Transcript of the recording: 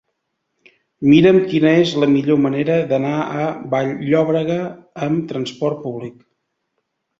Mira'm quina és la millor manera d'anar a Vall-llobrega amb trasport públic.